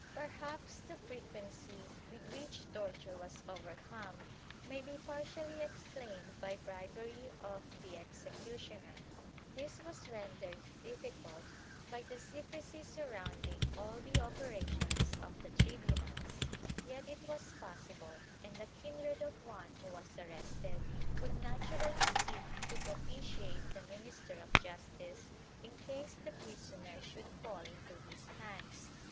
^ Perhaps the frequency with which torture was overcome may be partially explained by bribery of the executioner. This was rendered difficult by the secrecy surrounding all the operations of the tribunals, yet it was possible, and the kindred of one who was arrested would naturally seek to propitiate the minister of justice in case the prisoner should fall into his hands.